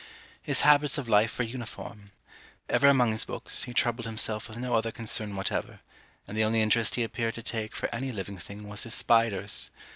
His habits of life were uniform. Ever among his books, he troubled himself with no other concern whatever; and the only interest he appeared to take for any living thing was his spiders.